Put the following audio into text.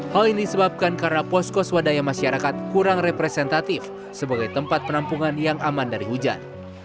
hal ini disebabkan karena posko swadaya masyarakat kurang representatif sebagai tempat penampungan yang aman dari hujan